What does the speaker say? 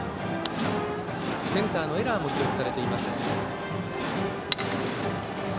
センターのエラーも記録されています。